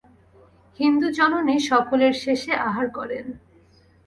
হিন্দুজননী সকলের শেষে আহার করেন।